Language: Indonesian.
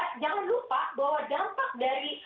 itu juga jangan lupa bahwa dampaknya